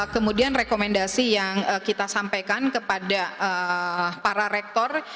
kemudian rekomendasi yang kita sampaikan kepada para rektor